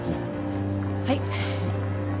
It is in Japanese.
はい。